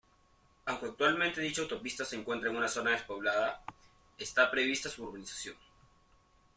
Aunque actualmente dicha autopista se encuentra en una zona despoblada, esta prevista su urbanización.